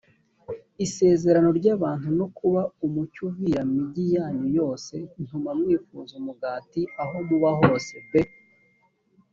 isezerano ry abantu no kuba umucyo uvira migi yanyu yose ntuma mwifuza umugati aho muba hose b